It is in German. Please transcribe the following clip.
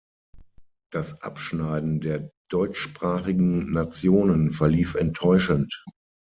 Das Abschneiden der deutschsprachigen Nationen verlief enttäuschend.